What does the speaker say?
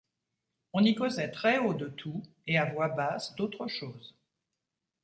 On y causait très haut de tout, et à voix basse d’autre chose.